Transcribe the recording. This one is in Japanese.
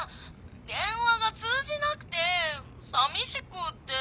電話が通じなくてさみしくって。